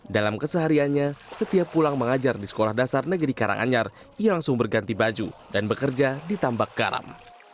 dalam kesehariannya setiap pulang mengajar di sekolah dasar negeri karanganyar ia langsung berganti baju dan bekerja di tambak garam